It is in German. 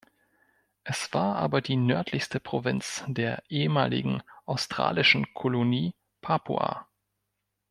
Es war aber die nördlichste Provinz der ehemaligen australischen Kolonie Papua.